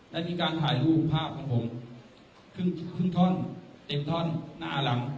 ได้มีการถ่ายรูปภาพของผมครึ่งท่อนเต็มท่อนหน้าหลัง